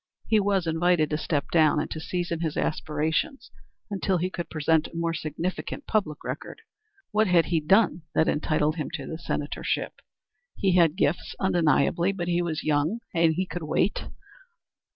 He was invited to step down, and to season his aspirations until he could present a more significant public record. What had he done that entitled him to the senatorship? He had gifts undeniably, but he was young and could wait.